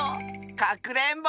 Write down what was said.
かくれんぼ！